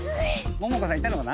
桃子さんいたのかな？